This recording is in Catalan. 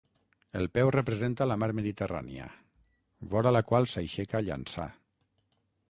El peu representa la mar Mediterrània, vora la qual s'aixeca Llançà.